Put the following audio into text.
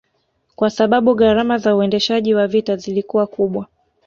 kwasababu gharama za uendeshaji wa vita zilikuwa kubwa